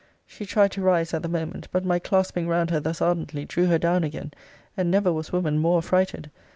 She tried to rise at the moment; but my clasping round her thus ardently, drew her down again; and never was woman more affrighted.